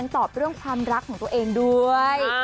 ตอบเรื่องความรักของตัวเองด้วย